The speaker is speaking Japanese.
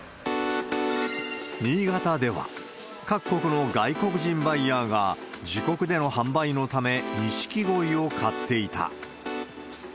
新潟では、各国の外国人バイヤーが、自国での販売のため、ニシキゴイを買っていた。